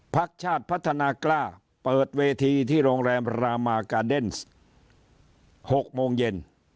พักชาติพัฒนากล้าเปิดเวทีที่โรงแรมรามากาเดนส์๖โมงเย็น